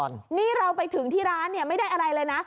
พี่โต้นพี่ต้องนี่เราไปถึงที่ร้านนี่ไม่ได้อะไรเลยนะ